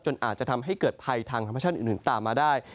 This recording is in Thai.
อาจจะทำให้เกิดภัยทางธรรมชาติอื่นตามมาได้